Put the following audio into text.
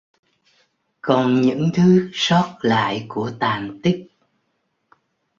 Còn những thứ sót lại của tàn tích